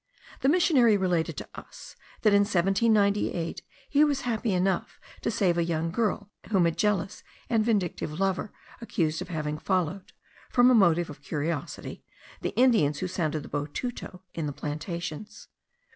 The missionary related to us, that in 1798 he was happy enough to save a young girl, whom a jealous and vindictive lover accused of having followed, from a motive of curiosity, the Indians who sounded the botuto in the plantations.